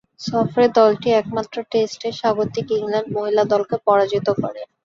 সফরে দলটি একমাত্র টেস্টে স্বাগতিক ইংল্যান্ড মহিলা দলকে পরাজিত করে।